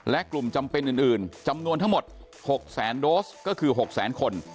และกลุ่มจำเป็นอื่นจำนวนทั้งหมด๖แสนโดสก็คือ๖แสนคน